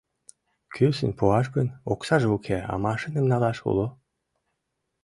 Кӱсын пуаш гын, оксаже уке, а машиным налаш уло.